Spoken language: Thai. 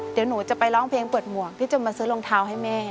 เดี๋ยวหนูจะไปร้องเพลงเปิดหมวกที่จะมาซื้อรองเท้าให้แม่